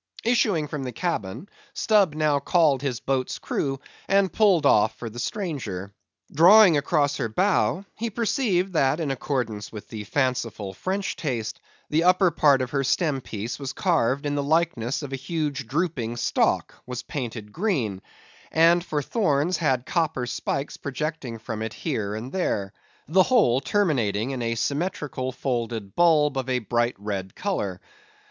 Issuing from the cabin, Stubb now called his boat's crew, and pulled off for the stranger. Drawing across her bow, he perceived that in accordance with the fanciful French taste, the upper part of her stem piece was carved in the likeness of a huge drooping stalk, was painted green, and for thorns had copper spikes projecting from it here and there; the whole terminating in a symmetrical folded bulb of a bright red colour.